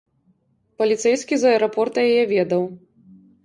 Паліцэйскі з аэрапорта яе ведаў.